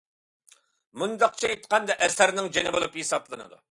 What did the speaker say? مۇنداقچە ئېيتقاندا، ئەسەرنىڭ جېنى بولۇپ ھېسابلىنىدۇ.